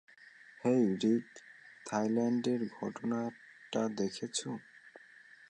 হেই, Rick, থাইল্যান্ডের ঘটনাটা দেখছো?